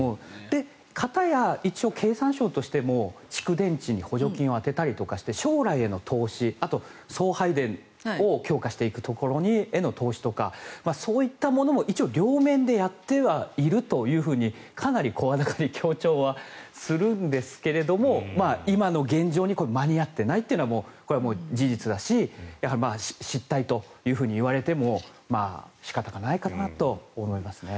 片や経産省としても蓄電池に補助金を充てたりして将来への投資、あと送配電を強化していくところへの投資とかそういったものも一応、両面でやってはいるとかなり声高に強調はするんですけれども今の現状に間に合っていないのは事実だし失態というふうに言われても仕方がないかなと思いますね。